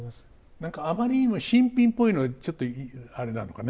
何かあまりにも新品ぽいのはちょっとあれなのかな